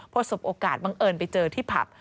พอสบโอกาสบังเอิญไปเจอที่ผับ